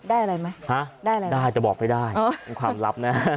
ได้อะไรไหมได้อะไรไหมได้แต่บอกไม่ได้เป็นความลับนะ